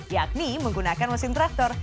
yakni menggunakan mesin traktor